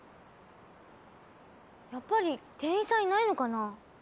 やっぱり店員さんいないのかな？